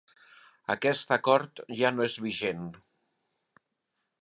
Aquest acord ja no és vigent.